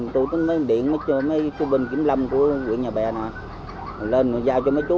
tôi đến điện mấy chú binh kiểm lâm của quyện nhà bè nè lên giao cho mấy chú